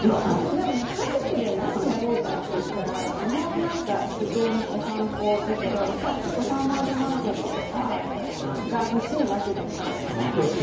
でも、家族で何やろかといったら基本、自然散歩だけどやっぱりファーマーズマーケットとかがほしいわけですよ。